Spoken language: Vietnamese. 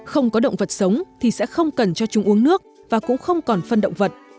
không có động vật sống thì sẽ không cần cho chúng uống nước và cũng không còn phân động vật